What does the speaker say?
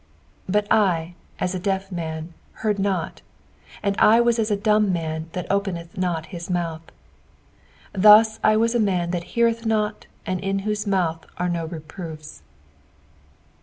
13 But I, as a deaf man, heard not ; and'/ was as a dumb'man tAat openeth not his mouth. 14 Thus I was 33 a man that heareth not, and in whose mouth are no reproofs.